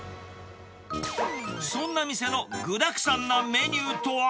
そんな店の具だくさんなメニューとは。